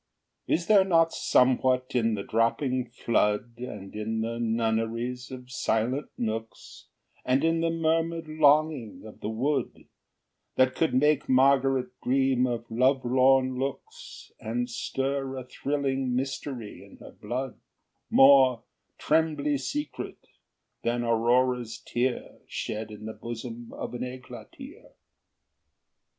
Is there not somewhat in the dropping flood, And in the nunneries of silent nooks, And in the murmured longing of the wood, That could make Margaret dream of lovelorn looks, And stir a thrilling mystery in her blood More trembly secret than Aurora's tear Shed in the bosom of an eglatere?